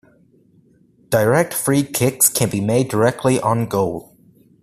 Direct free kicks can be made directly on goal.